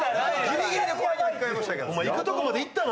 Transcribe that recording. お前いくとこまでいったな！